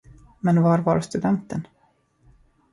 Men var var studenten?